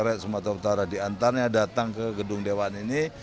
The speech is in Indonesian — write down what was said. rakyat sumatera utara diantaranya datang ke gedung dewan ini